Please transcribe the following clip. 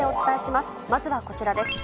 まずはこちらです。